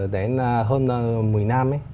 đến hơn một mươi năm